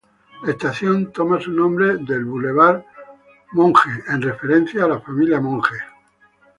La estación toma su nombre del Boulevard Monk, en referencia a la familia Monk.